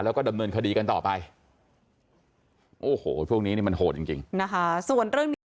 แล้วก็ดำเนินคดีกันต่อไปโอ้โหพวกนี้นี่มันโหดจริงนะคะ